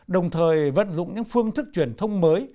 đồng thời vận dụng những phương thức truyền thông mới